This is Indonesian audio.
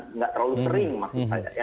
tidak terlalu sering maksud saya